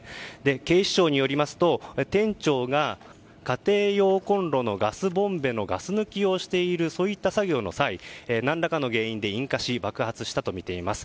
警視庁によりますと、店長が家庭用コンロのガスボンベのガス抜きをしている作業の際何らかの原因で引火し爆発したとみています。